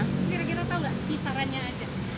lihat lihat kita tahu nggak sekisarannya ada